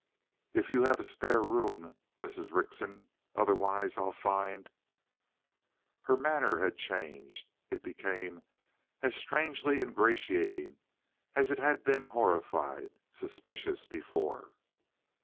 "If you have a spare room, Mrs. Rickson. Otherwise, I'll find " Her manner had changed. It became as strangely ingratiating as it had been horrified, suspicious, before.